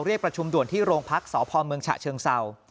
จากประชุมด่วนที่โรงพักษ์สพเมฉะเชิงเซา